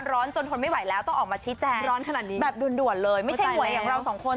จนทนไม่ไหวแล้วต้องออกมาชี้แจงร้อนขนาดนี้แบบด่วนด่วนเลยไม่ใช่หวยอย่างเราสองคน